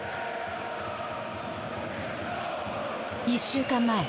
１週間前。